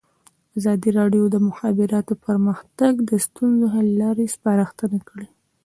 ازادي راډیو د د مخابراتو پرمختګ د ستونزو حل لارې سپارښتنې کړي.